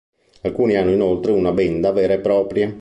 Alcuni hanno inoltre una benda vera e propria.